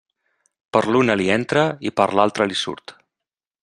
Per l'una l'hi entra, i per l'altra l'hi surt.